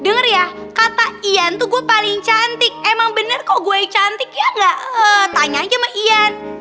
dengar ya kata ian tuh gue paling cantik emang bener kok gue cantik ya enggak tanya aja sama ian